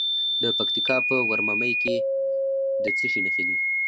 د پکتیکا په ورممی کې د څه شي نښې دي؟